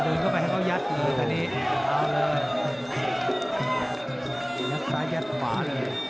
โดนเข้าไปให้เขายัดอีกตอนนี้ยัดซ้ายยัดขวาเลย